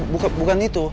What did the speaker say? bukan bukan itu